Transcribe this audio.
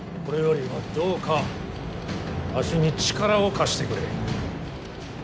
これよりはどうかわしに力を貸してくれ。